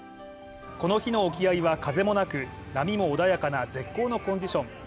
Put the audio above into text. この日の沖合は風もなく、波も穏やかな絶好のコンディション。